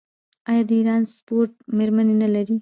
آیا د ایران سپورټ میرمنې نلري؟